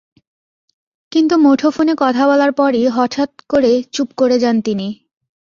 কিন্তু মুঠোফোনে কথা বলার পরই হঠাৎ করে চুপ করে যান তিনি।